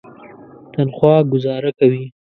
تنخوا ګوزاره کوي.